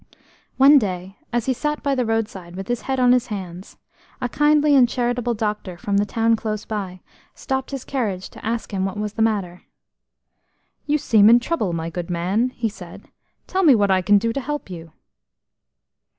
One day, as he sat by the roadside with his head on his hands, a kindly and charitable doctor from the town close by stopped his carriage to ask him what was the matter. "You seem in trouble, my good man," he said. "Tell me what I can do to help you."